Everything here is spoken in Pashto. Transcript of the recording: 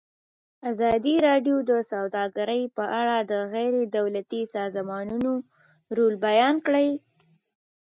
ازادي راډیو د سوداګري په اړه د غیر دولتي سازمانونو رول بیان کړی.